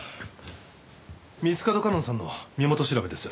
三ツ門夏音さんの身元調べです。